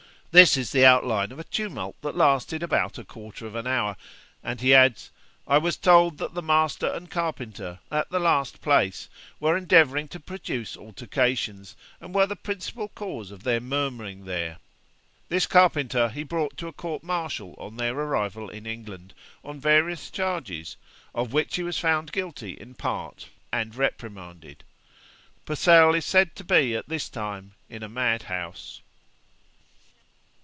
This is the outline of a tumult that lasted about a quarter of hour'; and he adds, 'I was told that the master and carpenter, at the last place, were endeavouring to produce altercations, and were the principal cause of their murmuring there.' This carpenter he brought to a court martial on their arrival in England, on various charges, of which he was found guilty in part, and reprimanded. Purcell is said to be at this time in a mad house.